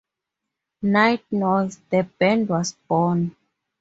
Nightnoise, the band, was born.